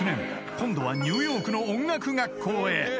今度はニューヨークの音楽学校へ］